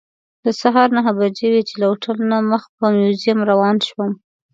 د سهار نهه بجې وې چې له هوټل نه مخ په موزیم روان شوم.